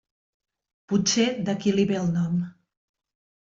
Potser d'aquí li ve el nom.